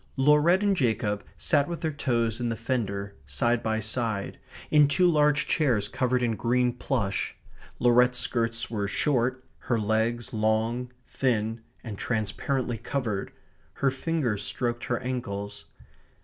Laurette and Jacob sat with their toes in the fender side by side, in two large chairs covered in green plush. Laurette's skirts were short, her legs long, thin, and transparently covered. Her fingers stroked her ankles.